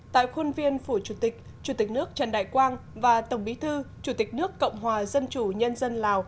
tại khuôn viên phủ chủ tịch chủ tịch nước trần đại quang và tổng bí thư chủ tịch nước cộng hòa dân chủ nhân dân lào